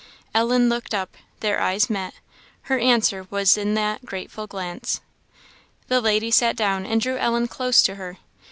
" Ellen looked up; their eyes met: her answer was in that grateful glance. The lady sat down and drew Ellen close to her.